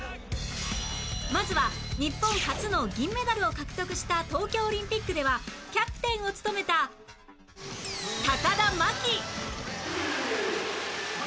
まずは日本初の銀メダルを獲得した東京オリンピックではキャプテンを務めた田真希